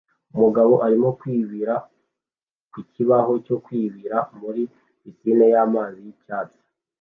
Umugabo arimo kwibira ku kibaho cyo kwibira muri pisine y'amazi y'icyatsi